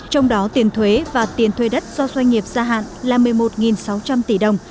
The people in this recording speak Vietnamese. trong đó tiền thuế và tiền thuê đất do doanh nghiệp gia hạn là một mươi một sáu trăm linh tỷ đồng